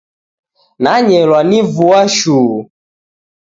Nanyelwa ni vua shuu.